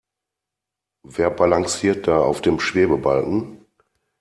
Wer balanciert da auf dem Schwebebalken?